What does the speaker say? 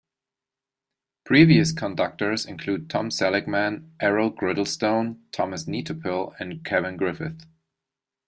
Previous conductors include Tom Seligman, Errol Girdlestone, Tomas Netopil and Kevin Griffiths.